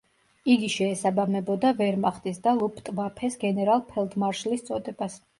იგი შეესაბამებოდა ვერმახტის და „ლუფტვაფეს“ გენერალ-ფელდმარშლის წოდებას.